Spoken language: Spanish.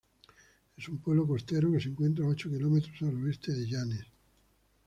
Es un pueblo costero que se encuentra a ocho kilómetros al oeste de Llanes.